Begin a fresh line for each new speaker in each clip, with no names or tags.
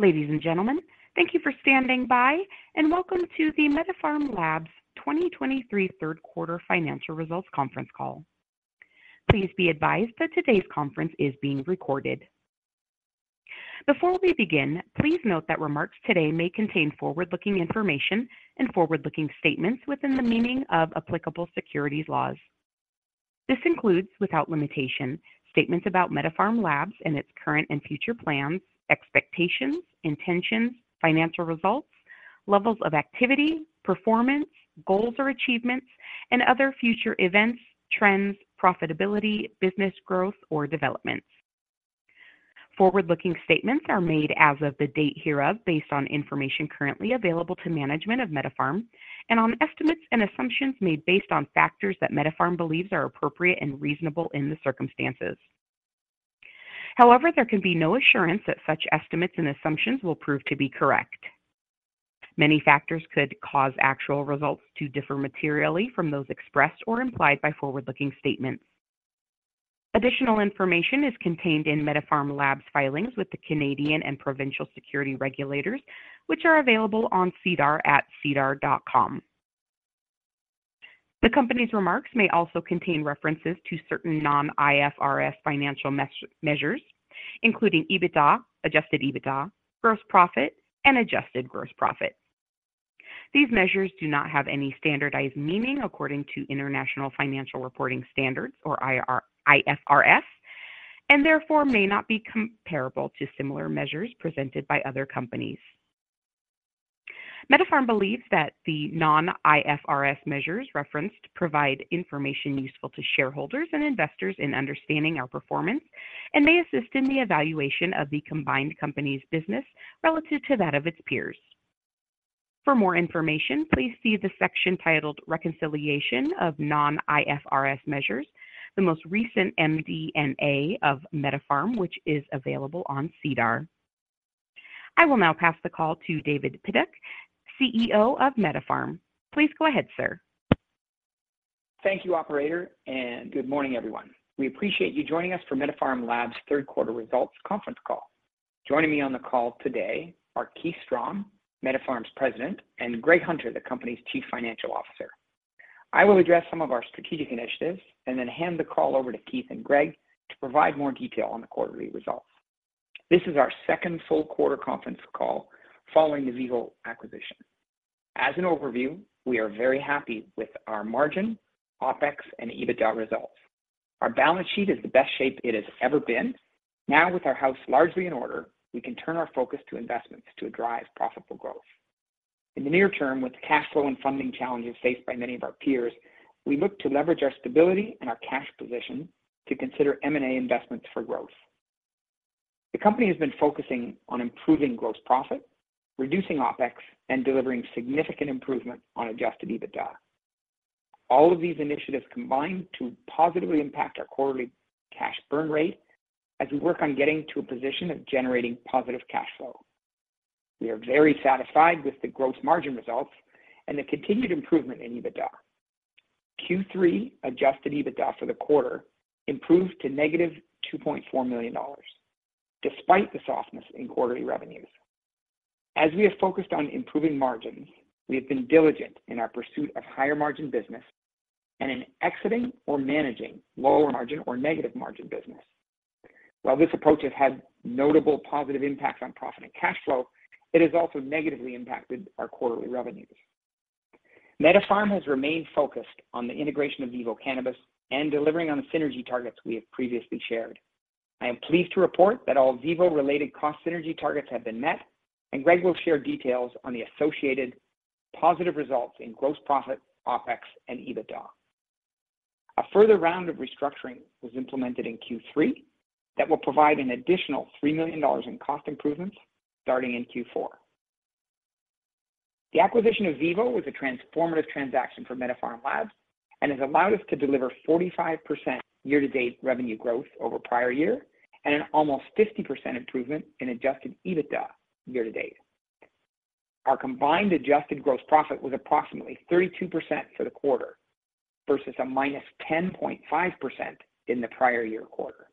Ladies and gentlemen, thank you for standing by, and welcome to the MediPharm Labs' 2023 third quarter financial results conference call. Please be advised that today's conference is being recorded. Before we begin, please note that remarks today may contain forward-looking information and forward-looking statements within the meaning of applicable securities laws. This includes, without limitation, statements about MediPharm Labs and its current and future plans, expectations, intentions, financial results, levels of activity, performance, goals or achievements, and other future events, trends, profitability, business growth, or developments. Forward-looking statements are made as of the date hereof based on information currently available to management of MediPharm and on estimates and assumptions made based on factors that MediPharm believes are appropriate and reasonable in the circumstances. However, there can be no assurance that such estimates and assumptions will prove to be correct. Many factors could cause actual results to differ materially from those expressed or implied by forward-looking statements. Additional information is contained in MediPharm Labs' filings with the Canadian and provincial security regulators, which are available on SEDAR at sedar.com. The company's remarks may also contain references to certain non-IFRS financial measures, including EBITDA, adjusted EBITDA, gross profit, and adjusted gross profit. These measures do not have any standardized meaning according to International Financial Reporting Standards, or IFRS, and therefore may not be comparable to similar measures presented by other companies. MediPharm Labs believes that the non-IFRS measures referenced provide information useful to shareholders and investors in understanding our performance and may assist in the evaluation of the combined company's business relative to that of its peers. For more information, please see the section titled "Reconciliation of Non-IFRS Measures," the most recent MD&A of MediPharm Labs, which is available on SEDAR. I will now pass the call to David Pidduck, CEO of MediPharm. Please go ahead, sir.
Thank you, operator, and good morning, everyone. We appreciate you joining us for MediPharm Labs' third quarter results conference call. Joining me on the call today are Keith Strachan, MediPharm's President, and Greg Hunter, the company's Chief Financial Officer. I will address some of our strategic initiatives and then hand the call over to Keith and Greg to provide more detail on the quarterly results. This is our second full quarter conference call following the VIVO acquisition. As an overview, we are very happy with our margin, OpEx, and EBITDA results. Our balance sheet is the best shape it has ever been. Now, with our house largely in order, we can turn our focus to investments to drive profitable growth. In the near term, with the cash flow and funding challenges faced by many of our peers, we look to leverage our stability and our cash position to consider M&A investments for growth. The company has been focusing on improving gross profit, reducing OpEx, and delivering significant improvement on adjusted EBITDA. All of these initiatives combine to positively impact our quarterly cash burn rate as we work on getting to a position of generating positive cash flow. We are very satisfied with the gross margin results and the continued improvement in EBITDA. Q3 adjusted EBITDA for the quarter improved to negative 2.4 million dollars, despite the softness in quarterly revenues. As we have focused on improving margins, we have been diligent in our pursuit of higher-margin business and in exiting or managing lower-margin or negative-margin business. While this approach has had notable positive impacts on profit and cash flow, it has also negatively impacted our quarterly revenues. MediPharm has remained focused on the integration of VIVO Cannabis and delivering on the synergy targets we have previously shared. I am pleased to report that all VIVO-related cost synergy targets have been met, and Greg will share details on the associated positive results in gross profit, OpEx, and EBITDA. A further round of restructuring was implemented in Q3 that will provide an additional 3 million dollars in cost improvements starting in Q4. The acquisition of VIVO was a transformative transaction for MediPharm Labs and has allowed us to deliver 45% year-to-date revenue growth over prior year and an almost 50% improvement in adjusted EBITDA year to date. Our combined adjusted gross profit was approximately 32% for the quarter versus a -10.5% in the prior year quarter.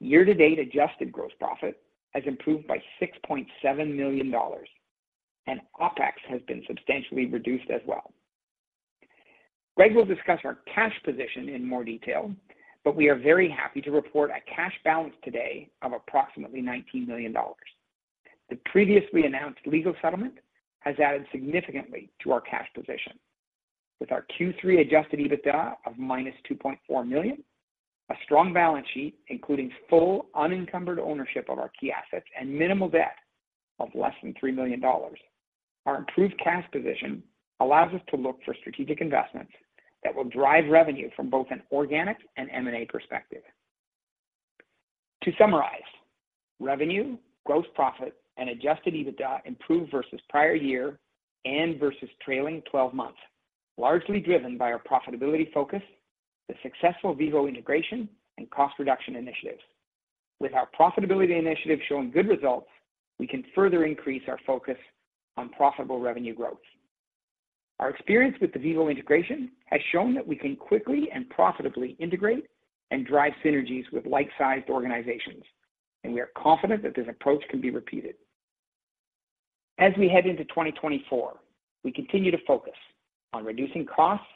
Year to date, adjusted gross profit has improved by 6.7 million dollars, and OpEx has been substantially reduced as well. Greg will discuss our cash position in more detail, but we are very happy to report a cash balance today of approximately 19 million dollars. The previously announced legal settlement has added significantly to our cash position. With our Q3 adjusted EBITDA of -2.4 million, a strong balance sheet, including full unencumbered ownership of our key assets and minimal debt of less than 3 million dollars, our improved cash position allows us to look for strategic investments that will drive revenue from both an organic and M&A perspective. To summarize, revenue, gross profit, and adjusted EBITDA improved versus prior year and versus trailing 12 months, largely driven by our profitability focus, the successful VIVO integration, and cost reduction initiatives. With our profitability initiatives showing good results, we can further increase our focus on profitable revenue growth. Our experience with the VIVO integration has shown that we can quickly and profitably integrate and drive synergies with like-sized organizations, and we are confident that this approach can be repeated. As we head into 2024, we continue to focus on reducing costs,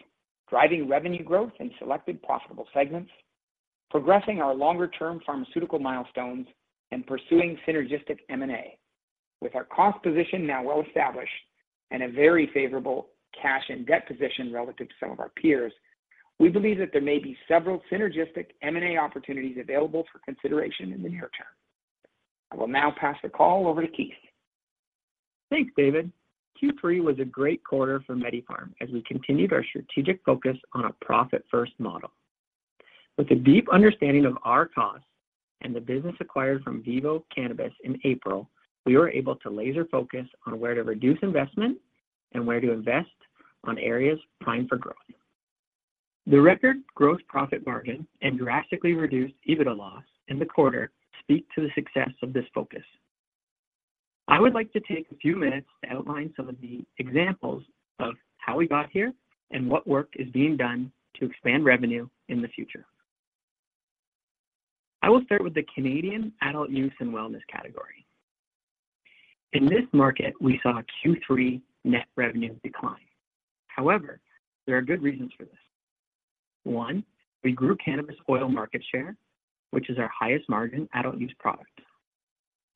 driving revenue growth in selected profitable segments, progressing our longer-term pharmaceutical milestones, and pursuing synergistic M&A. With our cost position now well-established and a very favorable cash and debt position relative to some of our peers, we believe that there may be several synergistic M&A opportunities available for consideration in the near term. I will now pass the call over to Keith.
Thanks, David. Q3 was a great quarter for MediPharm as we continued our strategic focus on a profit-first model. With a deep understanding of our costs and the business acquired from VIVO Cannabis in April, we were able to laser focus on where to reduce investment and where to invest on areas primed for growth. The record gross profit margin and drastically reduced EBITDA loss in the quarter speak to the success of this focus. I would like to take a few minutes to outline some of the examples of how we got here and what work is being done to expand revenue in the future. I will start with the Canadian adult use and wellness category. In this market, we saw a Q3 net revenue decline. However, there are good reasons for this. One, we grew cannabis oil market share, which is our highest margin adult use product.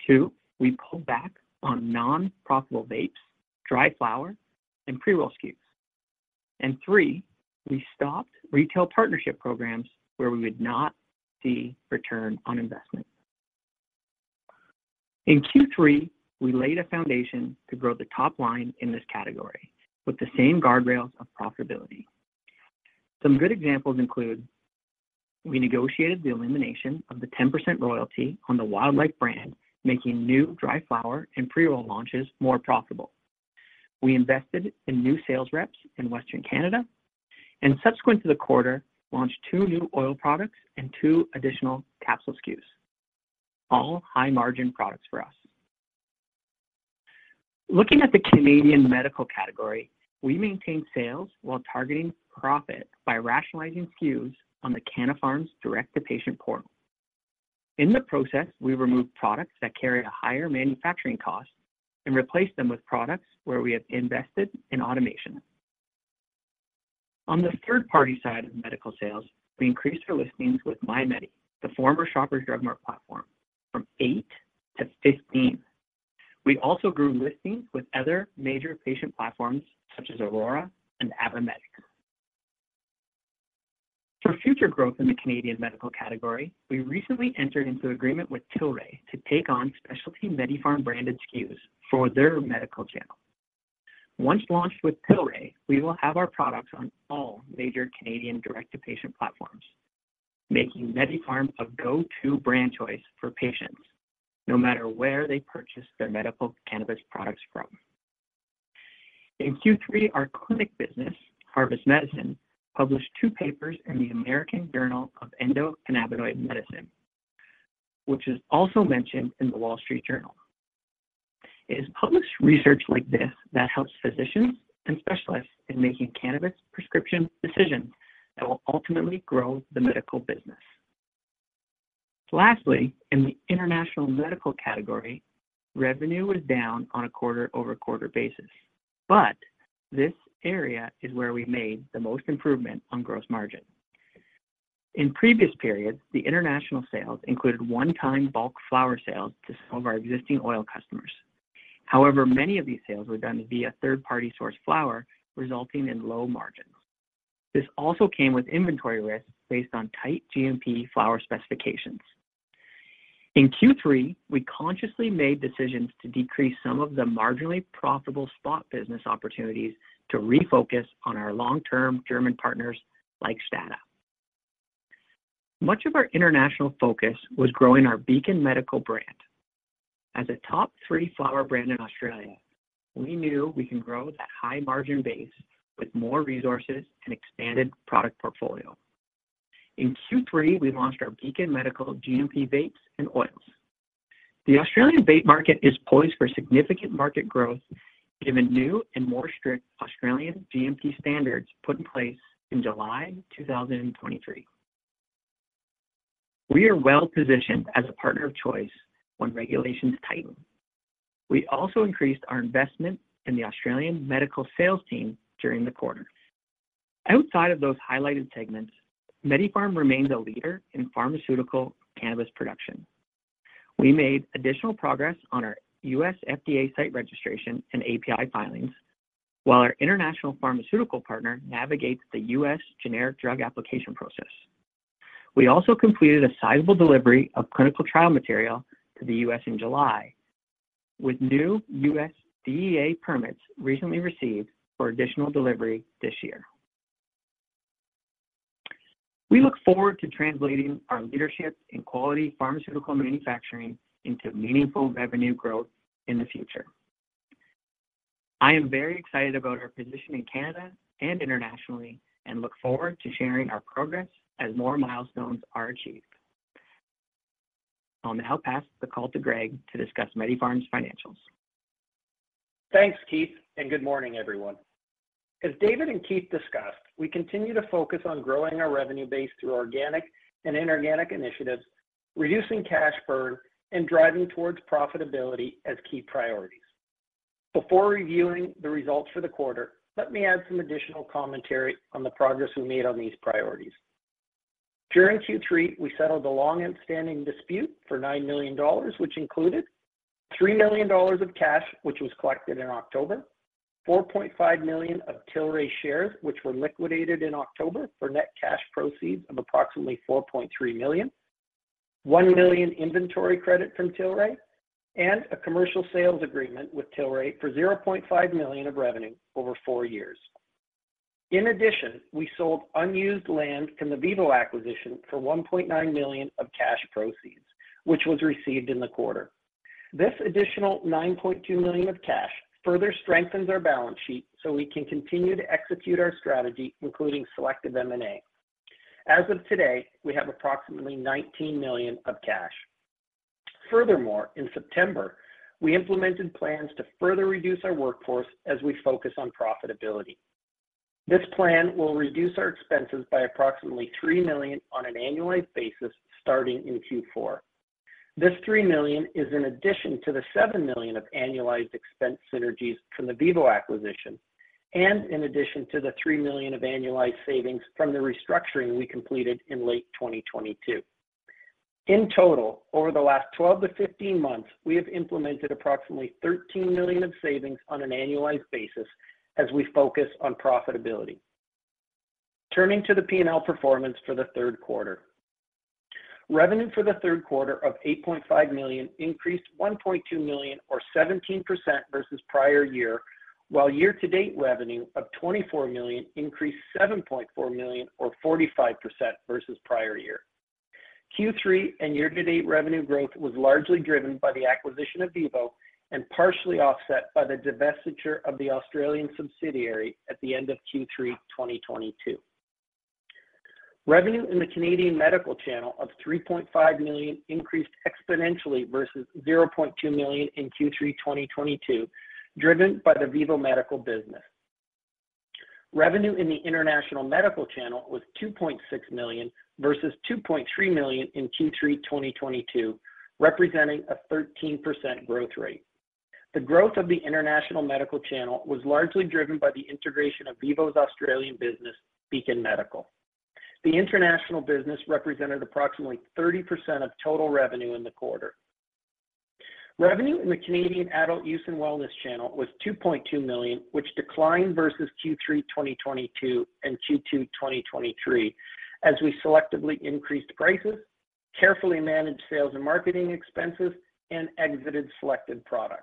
2, we pulled back on non-profitable vapes, dry flower, and pre-roll SKUs. And 3, we stopped retail partnership programs where we would not see return on investment. In Q3, we laid a foundation to grow the top line in this category with the same guardrails of profitability. Some good examples include: we negotiated the elimination of the 10% royalty on the Wildlife brand, making new dry flower and pre-roll launches more profitable. We invested in new sales reps in Western Canada, and subsequent to the quarter, launched 2 new oil products and 2 additional capsule SKUs, all high-margin products for us. Looking at the Canadian medical category, we maintained sales while targeting profit by rationalizing SKUs on the Canna Farms direct-to-patient portal. In the process, we removed products that carried a higher manufacturing cost and replaced them with products where we had invested in automation. On the third-party side of medical sales, we increased our listings with MyMedi, the former Shoppers Drug Mart platform, from eight to 15. We also grew listings with other major patient platforms, such as Aurora and Apotex. For future growth in the Canadian medical category, we recently entered into agreement with Tilray to take on specialty MediPharm-branded SKUs for their medical channel. Once launched with Tilray, we will have our products on all major Canadian direct-to-patient platforms, making MediPharm a go-to brand choice for patients, no matter where they purchase their medical cannabis products from. In Q3, our clinic business, Harvest Medicine, published two papers in the American Journal of Endocannabinoid Medicine, which is also mentioned in The Wall Street Journal. It is published research like this that helps physicians and specialists in making cannabis prescription decisions that will ultimately grow the medical business. Lastly, in the international medical category, revenue was down on a quarter-over-quarter basis, but this area is where we made the most improvement on gross margin. In previous periods, the international sales included one-time bulk flower sales to some of our existing oil customers. However, many of these sales were done via third-party source flower, resulting in low margins. This also came with inventory risk based on tight GMP flower specifications. In Q3, we consciously made decisions to decrease some of the marginally profitable spot business opportunities to refocus on our long-term German partners, like STADA. Much of our international focus was growing our Beacon Medical brand. As a top three flower brand in Australia, we knew we can grow that high-margin base with more resources and expanded product portfolio. In Q3, we launched our Beacon Medical GMP vapes and oils. The Australian vape market is poised for significant market growth, given new and more strict Australian GMP standards put in place in July 2023. We are well positioned as a partner of choice when regulations tighten. We also increased our investment in the Australian medical sales team during the quarter. Outside of those highlighted segments, MediPharm remains a leader in pharmaceutical cannabis production. We made additional progress on our U.S. FDA site registration and API filings, while our international pharmaceutical partner navigates the U.S. generic drug application process. We also completed a sizable delivery of clinical trial material to the U.S. in July, with new U.S. DEA permits recently received for additional delivery this year. We look forward to translating our leadership in quality pharmaceutical manufacturing into meaningful revenue growth in the future. I am very excited about our position in Canada and internationally and look forward to sharing our progress as more milestones are achieved.... I'll now pass the call to Greg to discuss MediPharm's financials.
Thanks, Keith, and good morning, everyone. As David and Keith discussed, we continue to focus on growing our revenue base through organic and inorganic initiatives, reducing cash burn, and driving towards profitability as key priorities. Before reviewing the results for the quarter, let me add some additional commentary on the progress we made on these priorities. During Q3, we settled a long-standing dispute for 9 million dollars, which included 3 million dollars of cash, which was collected in October, 4.5 million of Tilray shares, which were liquidated in October for net cash proceeds of approximately 4.3 million, 1 million inventory credit from Tilray, and a commercial sales agreement with Tilray for 0.5 million of revenue over 4 years. In addition, we sold unused land from the VIVO acquisition for 1.9 million of cash proceeds, which was received in the quarter. This additional 9.2 million of cash further strengthens our balance sheet so we can continue to execute our strategy, including selective M&A. As of today, we have approximately 19 million of cash. Furthermore, in September, we implemented plans to further reduce our workforce as we focus on profitability. This plan will reduce our expenses by approximately 3 million on an annualized basis, starting in Q4. This 3 million is in addition to the 7 million of annualized expense synergies from the VIVO acquisition, and in addition to the 3 million of annualized savings from the restructuring we completed in late 2022. In total, over the last 12-15 months, we have implemented approximately 13 million of savings on an annualized basis as we focus on profitability. Turning to the P&L performance for the third quarter. Revenue for the third quarter of 8.5 million increased 1.2 million or 17% versus prior year, while year-to-date revenue of 24 million increased 7.4 million or 45% versus prior year. Q3 and year-to-date revenue growth was largely driven by the acquisition of VIVO and partially offset by the divestiture of the Australian subsidiary at the end of Q3 2022. Revenue in the Canadian medical channel of 3.5 million increased exponentially versus 0.2 million in Q3 2022, driven by the VIVO Medical business. Revenue in the international medical channel was 2.6 million versus 2.3 million in Q3 2022, representing a 13% growth rate. The growth of the international medical channel was largely driven by the integration of VIVO's Australian business, Beacon Medical. The international business represented approximately 30% of total revenue in the quarter. Revenue in the Canadian adult use and wellness channel was 2.2 million, which declined versus Q3 2022 and Q2 2023, as we selectively increased prices, carefully managed sales and marketing expenses, and exited selected products.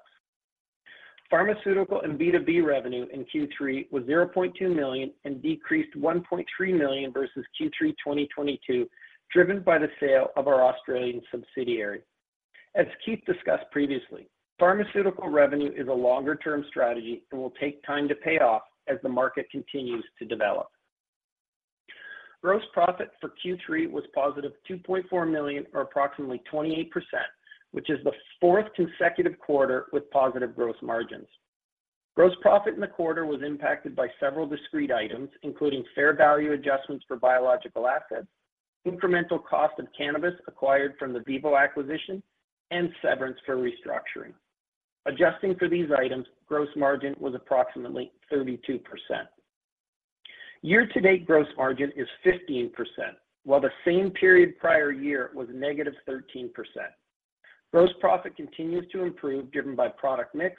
Pharmaceutical and B2B revenue in Q3 was 0.2 million and decreased 1.3 million versus Q3 2022, driven by the sale of our Australian subsidiary. As Keith discussed previously, pharmaceutical revenue is a longer-term strategy and will take time to pay off as the market continues to develop. Gross profit for Q3 was positive 2.4 million, or approximately 28%, which is the fourth consecutive quarter with positive gross margins. Gross profit in the quarter was impacted by several discrete items, including fair value adjustments for biological assets, incremental cost of cannabis acquired from the VIVO acquisition, and severance for restructuring. Adjusting for these items, gross margin was approximately 32%. Year-to-date gross margin is 15%, while the same period prior year was -13%. Gross profit continues to improve, driven by product mix,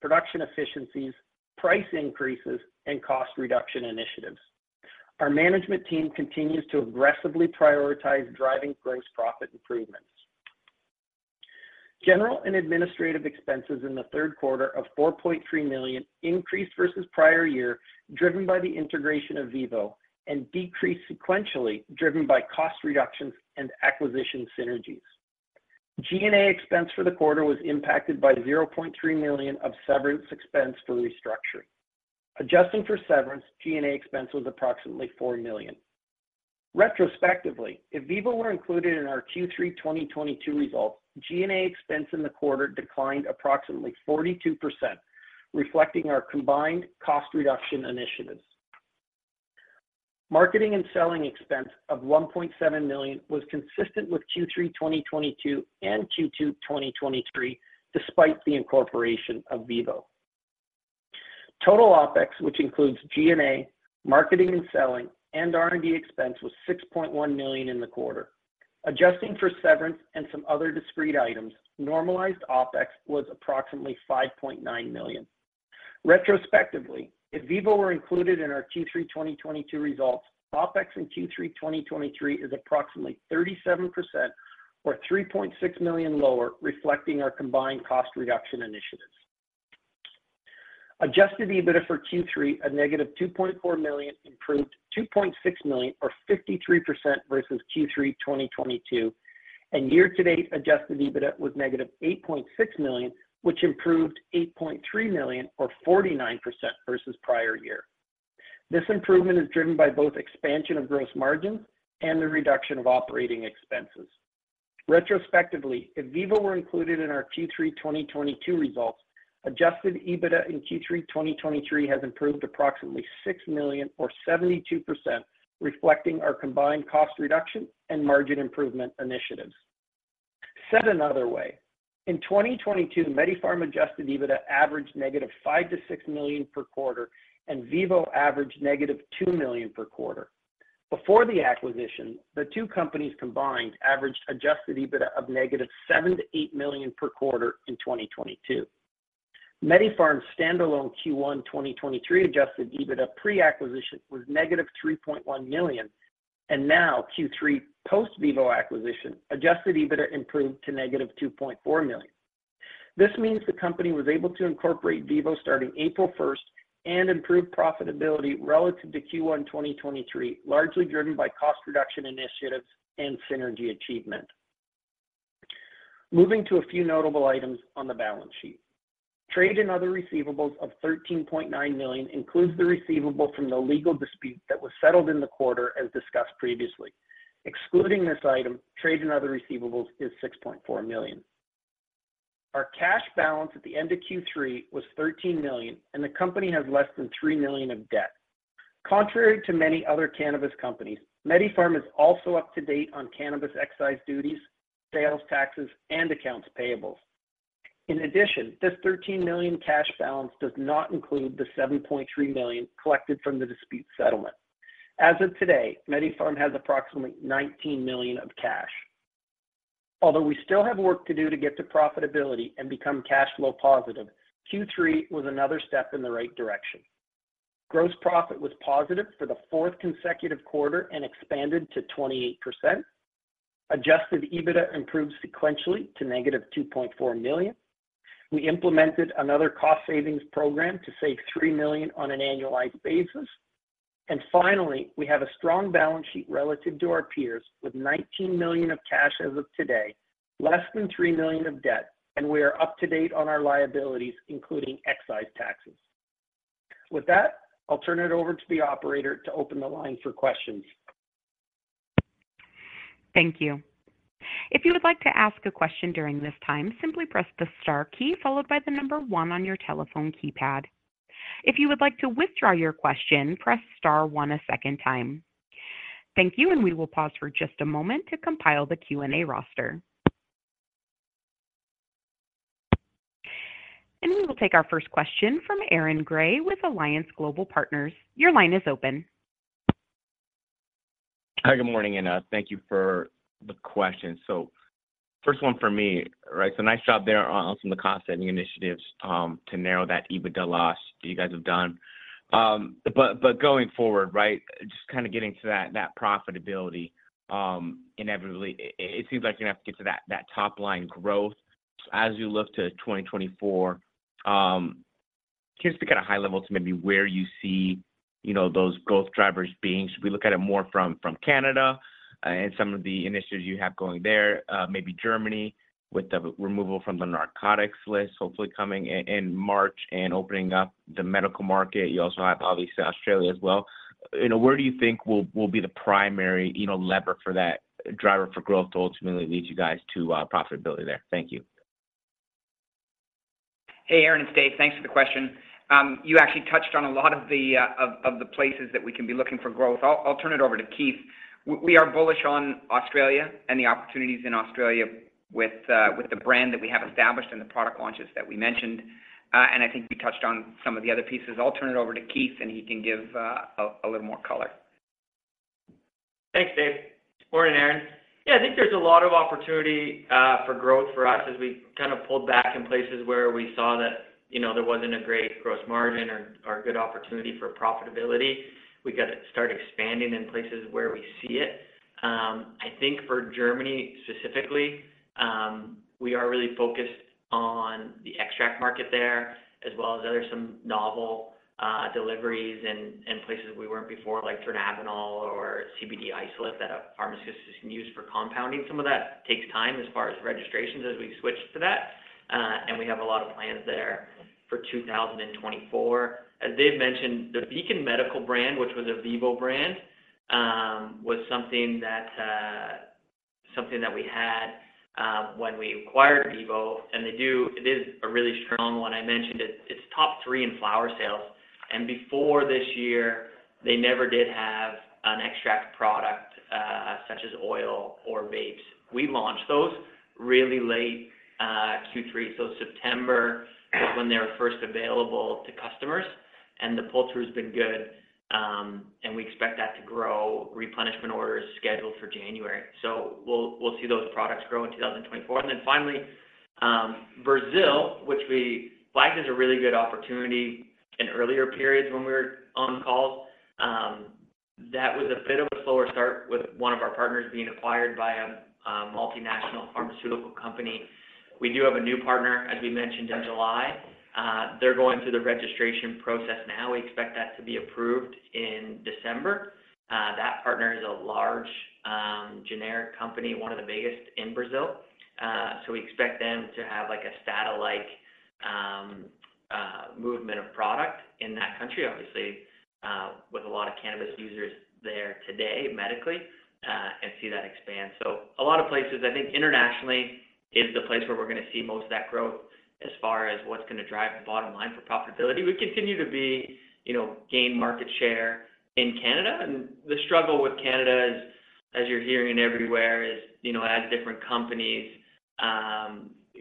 production efficiencies, price increases, and cost reduction initiatives. Our management team continues to aggressively prioritize driving gross profit improvements. General and administrative expenses in the third quarter of 4.3 million increased versus prior year, driven by the integration of VIVO, and decreased sequentially, driven by cost reductions and acquisition synergies. G&A expense for the quarter was impacted by 0.3 million of severance expense for restructuring. Adjusting for severance, G&A expense was approximately 4 million. Retrospectively, if VIVO were included in our Q3 2022 results, G&A expense in the quarter declined approximately 42%, reflecting our combined cost reduction initiatives. Marketing and selling expense of 1.7 million was consistent with Q3 2022 and Q2 2023, despite the incorporation of VIVO. Total OpEx, which includes G&A, marketing and selling, and R&D expense, was 6.1 million in the quarter. Adjusting for severance and some other discrete items, normalized OpEx was approximately 5.9 million. Retrospectively, if VIVO were included in our Q3 2022 results, OpEx in Q3 2023 is approximately 37% or 3.6 million lower, reflecting our combined cost reduction initiatives. Adjusted EBITDA for Q3, -2.4 million, improved 2.6 million, or 53% versus Q3 2022, and year-to-date adjusted EBITDA was -8.6 million, which improved 8.3 million, or 49% versus prior year. This improvement is driven by both expansion of gross margins and the reduction of operating expenses. Retrospectively, if VIVO were included in our Q3 2022 results, adjusted EBITDA in Q3 2023 has improved approximately 6 million, or 72%, reflecting our combined cost reduction and margin improvement initiatives. Said another way, in 2022, MediPharm adjusted EBITDA averaged -5 million--6 million per quarter, and VIVO averaged -2 million per quarter. Before the acquisition, the two companies combined averaged adjusted EBITDA of -7 million--8 million per quarter in 2022. MediPharm's standalone Q1 2023 adjusted EBITDA pre-acquisition was negative 3.1 million, and now Q3 post-VIVO acquisition, adjusted EBITDA improved to negative 2.4 million. This means the company was able to incorporate VIVO starting April first and improve profitability relative to Q1 2023, largely driven by cost reduction initiatives and synergy achievement. Moving to a few notable items on the balance sheet. Trade and other receivables of 13.9 million includes the receivable from the legal dispute that was settled in the quarter, as discussed previously. Excluding this item, trade and other receivables is 6.4 million. Our cash balance at the end of Q3 was 13 million, and the company has less than 3 million of debt. Contrary to many other cannabis companies, MediPharm is also up to date on cannabis excise duties, sales taxes, and accounts payables. In addition, this 13 million cash balance does not include the 7.3 million collected from the dispute settlement. As of today, MediPharm has approximately 19 million of cash. Although we still have work to do to get to profitability and become cash flow positive, Q3 was another step in the right direction. Gross profit was positive for the fourth consecutive quarter and expanded to 28%. Adjusted EBITDA improved sequentially to -2.4 million. We implemented another cost savings program to save 3 million on an annualized basis, and finally, we have a strong balance sheet relative to our peers, with 19 million of cash as of today, less than 3 million of debt, and we are up to date on our liabilities, including excise taxes. With that, I'll turn it over to the operator to open the line for questions.
Thank you. If you would like to ask a question during this time, simply press the star key, followed by the number one on your telephone keypad. If you would like to withdraw your question, press star one a second time. Thank you, and we will pause for just a moment to compile the Q&A roster. We will take our first question from Aaron Gray with Alliance Global Partners. Your line is open.
Hi, good morning, and thank you for the questions. First one for me, right? Nice job there on some of the cost-saving initiatives to narrow that EBITDA loss that you guys have done. Going forward, right, just kind of getting to that profitability, inevitably, it seems like you're going to have to get to that top-line growth. As you look to 2024, can you speak at a high level to maybe where you see those growth drivers being? Should we look at it more from Canada and some of the initiatives you have going there, maybe Germany, with the removal from the narcotics list, hopefully coming in March and opening up the medical market. You also have, obviously, Australia as well. Where do you think will be the primary, you know, lever for that driver for growth to ultimately lead you guys to profitability there? Thank you.
Hey, Aaron, it's Dave. Thanks for the question. You actually touched on a lot of the places that we can be looking for growth. I'll turn it over to Keith. We are bullish on Australia and the opportunities in Australia with the brand that we have established and the product launches that we mentioned, and I think you touched on some of the other pieces. I'll turn it over to Keith, and he can give a little more color.
Thanks, Dave. Morning, Aaron. Yeah, I think there's a lot of opportunity for growth for us as we kind of pulled back in places where we saw that, you know, there wasn't a great gross margin or good opportunity for profitability. We got to start expanding in places where we see it. I think for Germany, specifically, we are really focused on the extract market there, as well as other some novel deliveries in places we weren't before, like dronabinol or CBD isolate that a pharmacist can use for compounding. Some of that takes time as far as registrations as we switch to that, and we have a lot of plans there for 2024. As Dave mentioned, the Beacon Medical brand, which was a VIVO brand, was something that we had when we acquired VIVO, and it is a really strong one. I mentioned it, it's top three in flower sales, and before this year, they never did have an extract product such as oil or vapes. We launched those really late, Q3, so September is when they were first available to customers, and the pull-through has been good, and we expect that to grow. Replenishment order is scheduled for January, so we'll see those products grow in 2024. Then finally, Brazil, which we flagged as a really good opportunity in earlier periods when we were on call, that was a bit of a slower start with one of our partners being acquired by a multinational pharmaceutical company. We do have a new partner, as we mentioned in July. They're going through the registration process now. We expect that to be approved in December. That partner is a large, generic company, one of the biggest in Brazil, so we expect them to have, like, a satellite, movement of product in that country, obviously, with a lot of cannabis users there today, medically, and see that expand. A lot of places, I think internationally is the place where we're going to see most of that growth as far as what's going to drive the bottom line for profitability. We continue to be, you know, gain market sh are in Canada, and the struggle with Canada is, as you're hearing everywhere, is, you know, as different companies,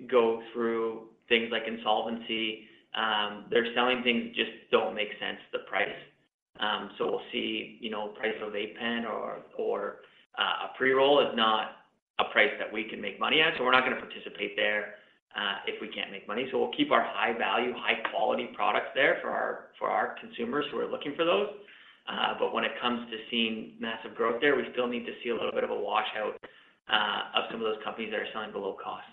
go through things like insolvency, they're selling things that just don't make sense, the price.
We'll see, you know, price of a pen or a pre-roll is not a price that we can make money at, so we're not going to participate there if we can't make money. So we'll keep our high-value, high-quality products there for our consumers who are looking for those. But when it comes to seeing massive growth there, we still need to see a little bit of a wash out of some of those companies that are selling below cost.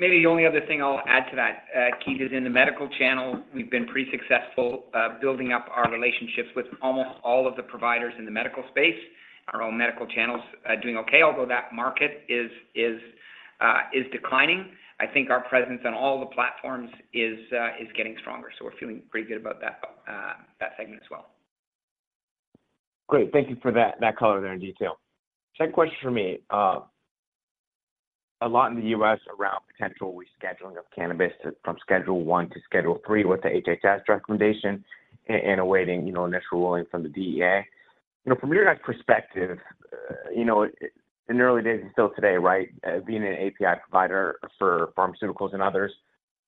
Maybe the only other thing I'll add to that, Keith, is in the medical channel, we've been pretty successful, building up our relationships with almost all of the providers in the medical space. Our own medical channel's doing okay, although that market is declining. I think our presence on all the platforms is getting stronger, so we're feeling pretty good about that segment as well.
Great. Thank you for that, that color there in detail. Second question for me. A lot in the U.S. around potential rescheduling of cannabis from Schedule I to Schedule III with the HHS recommendation and awaiting, you know, initial ruling from the DEA. From your guys' perspective in the early days and still today, right, being an API provider for pharmaceuticals and others,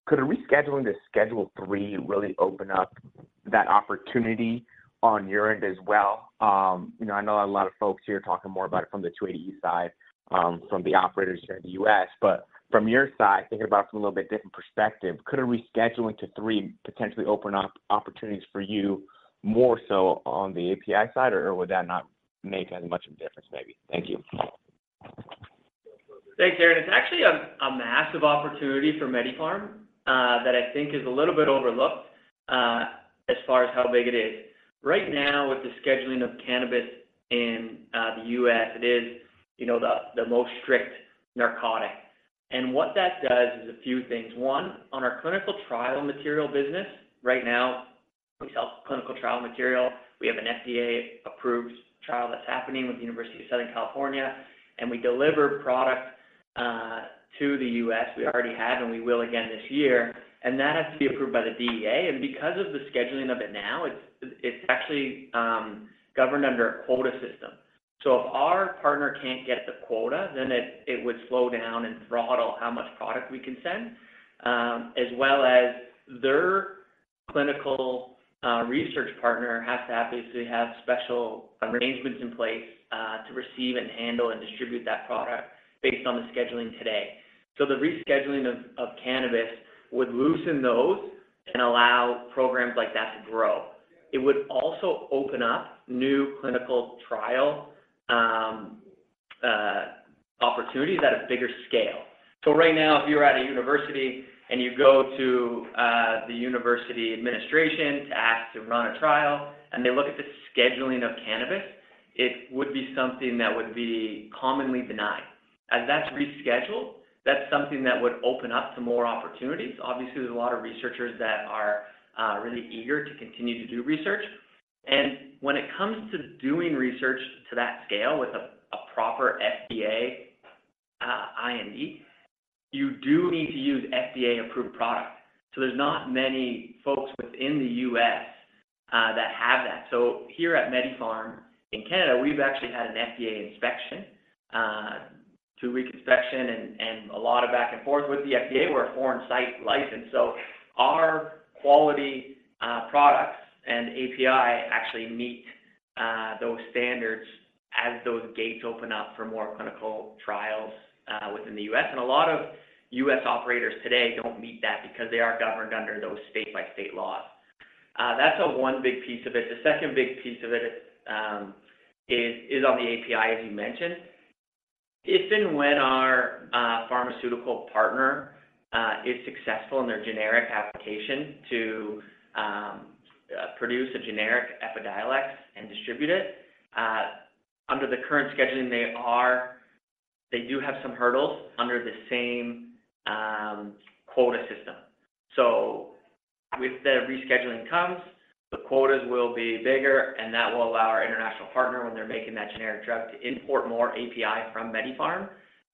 could a rescheduling to Schedule III really open up that opportunity on your end as well? I know a lot of folks here are talking more about it from the 280 side, from the operators here in the U.S. From your side, thinking about it from a little bit different perspective, could a rescheduling to III potentially open up opportunities for you more so on the API side, or would that not make as much of a difference maybe? Thank you.
Thanks, Aaron. It's actually a massive opportunity for MediPharm, that I think is a little bit overlooked as far as how big it is. Right now, with the scheduling of cannabis in the U.S., it is, you know, the most strict narcotic. And what that does is a few things. One, on our clinical trial material business, right now, we sell clinical trial material. We have an FDA-approved trial that's happening with the University of Southern California, and we deliver product to the U.S. We already have, and we will again this year, and that has to be approved by the DEA. And because of the scheduling of it now, it's actually governed under a quota system. So if our partner can't get the quota, then it would slow down and throttle how much product we can send. As well as their clinical research partner has to obviously have special arrangements in place to receive and handle and distribute that product based on the scheduling today. The rescheduling of cannabis would loosen those and allow programs like that to grow. It would also open up new clinical trial opportunities at a bigger scale. Right now, if you're at a university and you go to the university administration to ask to run a trial and they look at the scheduling of cannabis, it would be something that would be commonly denied. As that's rescheduled, that's something that would open up to more opportunities. Obviously, there's a lot of researchers that are really eager to continue to do research. When it comes to doing research to that scale with a proper FDA IND, you do need to use FDA-approved product. There's not many folks within the U.S. that have that, so here at MediPharm in Canada, we've actually had an FDA inspection, two-week inspection and a lot of back and forth with the FDA. We're a foreign site license, so our quality products and API actually meet those standards as those gates open up for more clinical trials within the U.S. A lot of U.S. operators today don't meet that because they are governed under those state-by-state laws. That's one big piece of it. The second big piece of it is on the API, as you mentioned. If and when our pharmaceutical partner is successful in their generic application to produce a generic Epidiolex and distribute it under the current scheduling, they are, they do have some hurdles under the same quota system. With the rescheduling comes, the quotas will be bigger, and that will allow our international partner, when they're making that generic drug, to import more API from MediPharm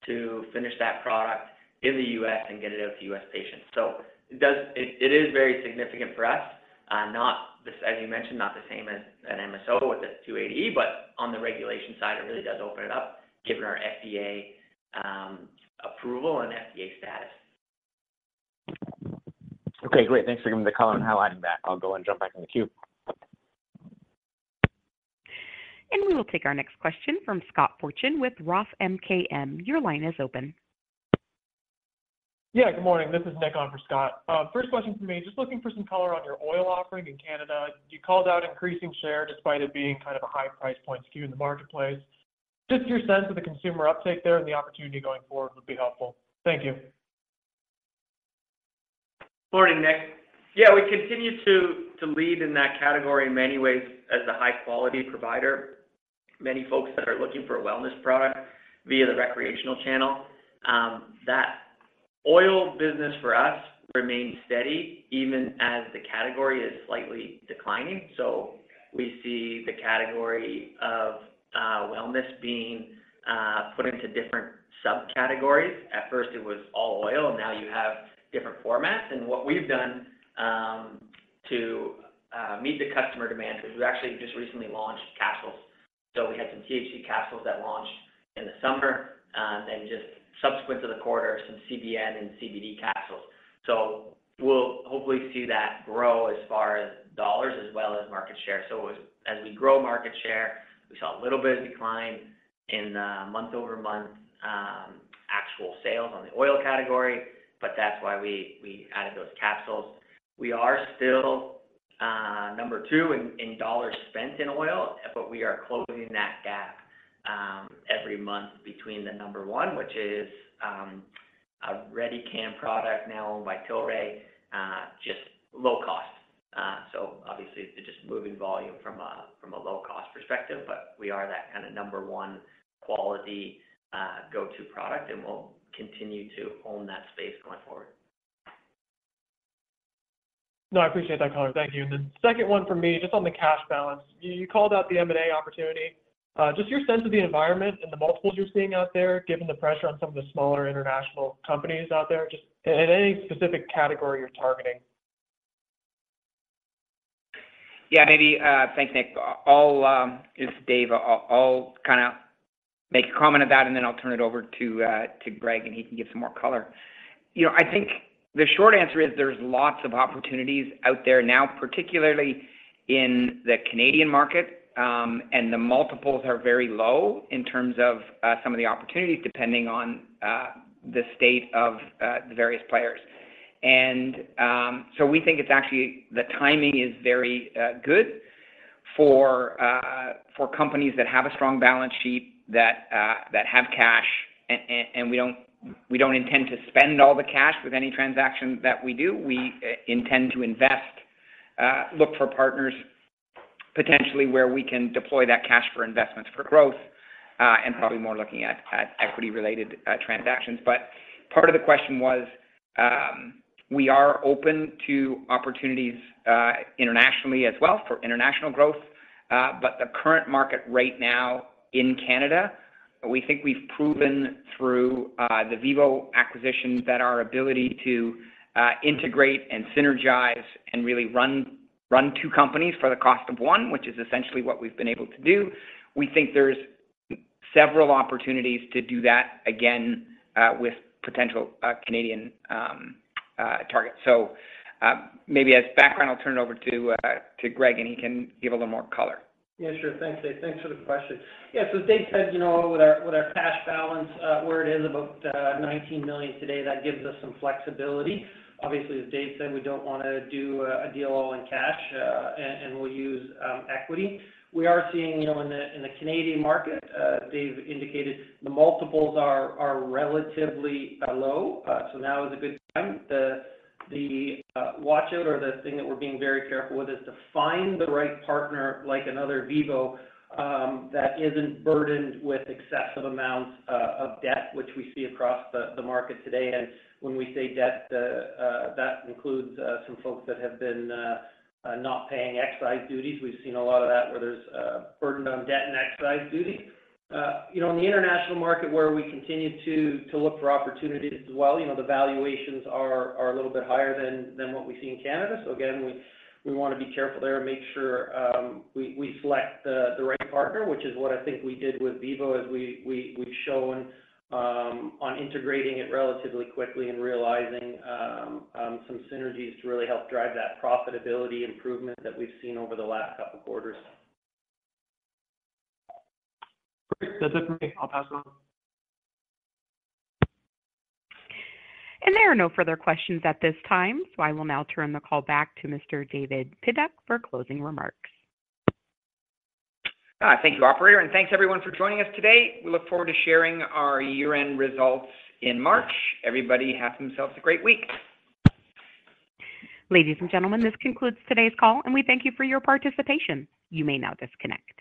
to finish that product in the U.S. and get it out to U.S. patients. So it does. It is very significant for us. Not the, as you mentioned, not the same as an MSO with a 280, but on the regulation side, it really does open it up, given our FDA approval and FDA status.
Okay, great. Thanks for giving the color and highlighting that. I'll go and jump back in the queue.
We will take our next question from Scott Fortune with Roth MKM. Your line is open.
Yeah, good morning. This is Nick on for Scott. First question for me, just looking for some color on your oil offering in Canada. You called out increasing share, despite it being kind of a high price point skew in the marketplace. Just your sense of the consumer uptake there and the opportunity going forward would be helpful. Thank you.
Morning, Nick. Yeah, we continue to lead in that category in many ways as a high-quality provider. Many folks that are looking for a wellness product via the recreational channel, that oil business for us remains steady, even as the category is slightly declining. We see the category of wellness being put into different subcategories. At first, it was all oil, and now you have different formats, and what we've done to meet the customer demand is we actually just recently launched capsules. We had some THC capsules that launched in the summer, and just subsequent to the quarter, some CBN and CBD capsules. We'll hopefully see that grow as far as dollars as well as market share. As we grow market share, we saw a little bit of decline in month-over-month actual sales on the oil category, but that's why we added those capsules. We are still number two in dollars spent in oil, but we are closing that gap every month between the number one, which is a Redecan product now owned by Tilray, just low cost. Obviously, it's just moving volume from a low-cost perspective, but we are that kind of number one quality go-to product, and we'll continue to own that space going forward.
No, I appreciate that color. Thank you. The second one for me, just on the cash balance. You called out the M&A opportunity. Just your sense of the environment and the multiples you're seeing out there, given the pressure on some of the smaller international companies out there, just, and any specific category you're targeting.
Yeah, maybe. Thanks, Nick. It's Dave. I'll kind of make a comment about it, and then I'll turn it over to Greg, and he can give some more color. I think the short answer is there's lots of opportunities out there now, particularly in the Canadian market, and the multiples are very low in terms of some of the opportunities, depending on the state of the various players. We think it's actually the timing is very good for companies that have a strong balance sheet, that have cash, and we don't intend to spend all the cash with any transaction that we do. We intend to invest, look for partners, potentially where we can deploy that cash for investments for growth, and probably more looking at equity-related transactions. Part of the question was, we are open to opportunities, internationally as well for international growth, but the current market right now in Canada, we think we've proven through the VIVO acquisition that our ability to integrate and synergize and really run two companies for the cost of one, which is essentially what we've been able to do. We think there's several opportunities to do that again, with potential Canadian targets. So, maybe as background, I'll turn it over to Greg, and he can give a little more color.
Yeah, sure. Thanks, Dave. Thanks for the question. Yeah, so as Dave said, you know, with our cash balance, where it is about 19 million today, that gives us some flexibility. Obviously, as Dave said, we don't want to do a deal all in cash, and we'll use equity. We are seeing, you know, in the Canadian market, Dave indicated the multiples are relatively low, so now is a good time. The watch out or the thing that we're being very careful with is to find the right partner, like another VIVO, that isn't burdened with excessive amounts of debt, which we see across the market today, and when we say debt, that includes some folks that have been not paying excise duties.
We've seen a lot of that, where there's a burdened on debt and excise duty. You know, in the international market, where we continue to look for opportunities as well, you know, the valuations are a little bit higher than what we see in Canada. Again, we want to be careful there and make sure we select the right partner, which is what I think we did with VIVO, as we've shown some synergies to really help drive that profitability improvement that we've seen over the last couple of quarters.
Great. That's it for me. I'll pass it on.
There are no further questions at this time, so I will now turn the call back to Mr. David Pidduck for closing remarks.
Thank you, operator, and thanks, everyone, for joining us today. We look forward to sharing our year-end results in March. Everybody have themselves a great week.
Ladies and gentlemen, this concludes today's call, and we thank you for your participation. You may now disconnect.